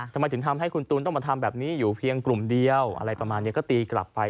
ทำไมถึงทำให้คุณตูนต้องมาทำแบบนี้อยู่เพียงกลุ่มเดียวอะไรประมาณนี้ก็ตีกลับไป